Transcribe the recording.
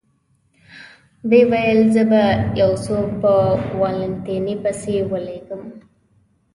ویې ویل: زه به یو څوک په والنتیني پسې ولېږم.